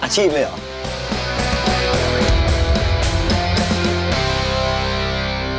อาชีพเลยเหรอ